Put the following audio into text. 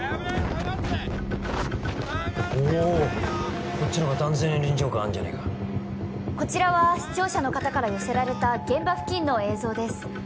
下がって危ないよおおこっちの方が断然臨場感あんじゃねえかこちらは視聴者の方から寄せられた現場付近の映像です